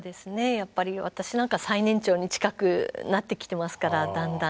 やっぱり私なんか最年長に近くなってきてますからだんだん